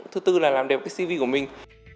thứ tư là làm đẹp cái cv của mình